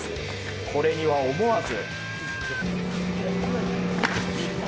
これには思わず。